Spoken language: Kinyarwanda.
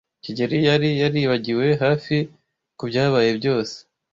kigeli yari yaribagiwe hafi kubyabaye byose.